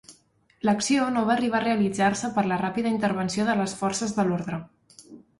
L'acció no va arribar a realitzar-se per la ràpida intervenció de les forces de l'ordre.